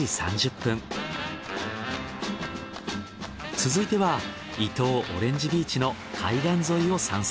続いては伊東オレンジビーチの海岸沿いを散策。